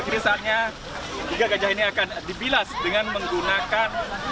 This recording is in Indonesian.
jadi saatnya tiga gajah ini akan dibilas dengan menggunakan